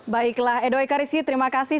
baiklah edo ekariski terima kasih